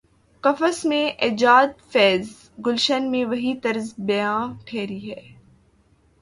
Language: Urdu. قفس میں ایجادفیض، گلشن میں وہی طرز بیاں ٹھہری ہے۔